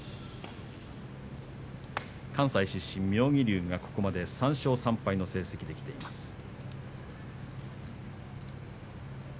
関西出身、妙義龍がここまで３勝３敗の成績できています。